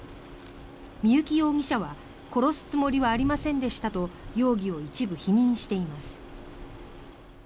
三幸容疑者は殺すつもりはありませんでしたと容疑を一部否認しています。